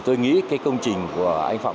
tôi nghĩ cái công trình của anh phạm